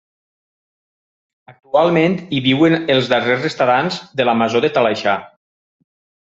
Actualment hi viuen els darrers estadants de la Masó de Talaixà.